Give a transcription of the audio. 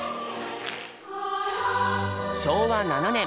昭和７年。